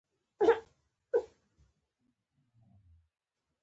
ما د دې ماشوم تر غوږونو کيسې رسولې.